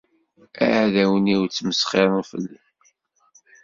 Iɛdawen-iw ttmesxiren fell-i.